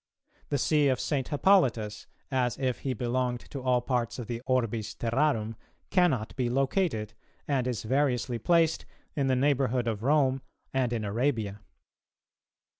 The see of St. Hippolytus, as if he belonged to all parts of the orbis terrarum, cannot be located, and is variously placed in the neighbourhood of Rome and in Arabia.